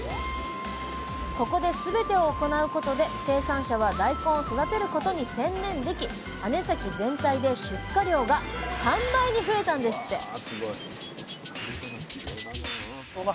ここですべてを行うことで生産者は大根を育てることに専念でき姉崎全体で出荷量が３倍に増えたんですって！